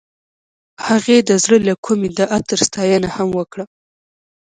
هغې د زړه له کومې د عطر ستاینه هم وکړه.